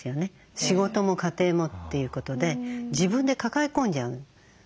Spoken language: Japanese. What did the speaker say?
仕事も家庭もっていうことで自分で抱え込んじゃうの。